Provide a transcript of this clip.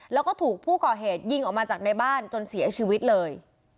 แล้วก็ถูกผู้ก่อเหตุยิงออกมาจากในบ้านจนเสียชีวิตเลย